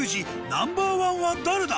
ナンバー１は誰だ？